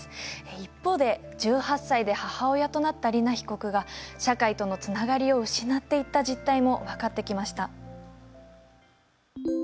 一方で１８歳で母親となった莉菜被告が社会とのつながりを失っていった実態も分かってきました。